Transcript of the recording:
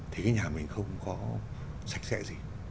thì cái nhà mình không có sạch sẽ gì